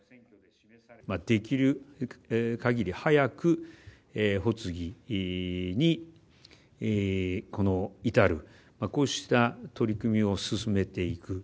できるかぎり早く発議に至る、こうした取り組みを進めていく。